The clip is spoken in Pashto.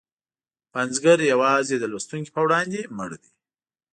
پنځګر یوازې د لوستونکي په وړاندې مړ دی.